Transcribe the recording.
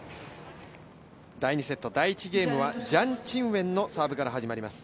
第２セット、第１ゲームはジャン・チンウェンのサーブから始まります。